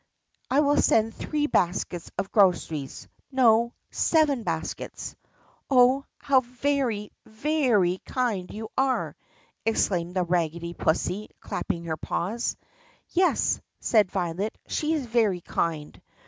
I will send three baskets of groceries — no, seven baskets." "Oh, how very, very kind you are!" exclaimed the raggedy pussy clapping her paws. "Yes," said Violet, "she is very kind."